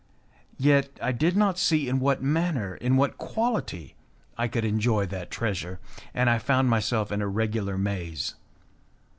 Yet I did not see in what manner, in what quality, I could enjoy that treasure, and I found myself in a regular maze.